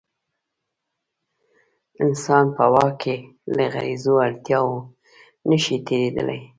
انسان په واک کې له غریزو اړتیاوو نه شي تېرېدلی.